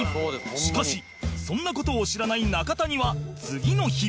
しかしそんな事を知らない中谷は次の日